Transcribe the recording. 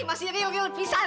masih riuk riuk pisan